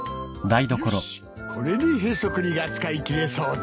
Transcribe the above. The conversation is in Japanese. よしこれでへそくりが使い切れそうだ。